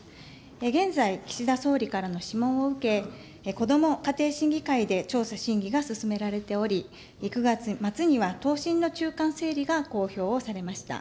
現在、岸田総理からの諮問を受け、こども家庭審議会で調査審議が進められており、９月末には答申の中間整理が公表をされました。